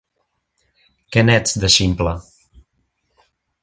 Que n'ets, de ximple!